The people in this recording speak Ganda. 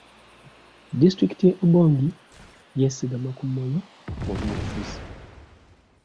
Disitulikiti y'e Obongi yeesigama ku Moyo mu byobufuzi.